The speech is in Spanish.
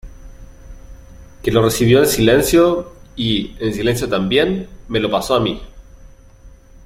que lo recibió en silencio, y , en silencio también , me lo pasó a mí.